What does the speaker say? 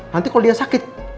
nanti kalau dia sakitnya